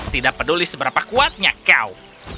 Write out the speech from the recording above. tidak peduli seberapa kuatnya kau